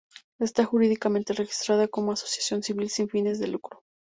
Está jurídicamente registrada como asociación civil sin fines de lucro.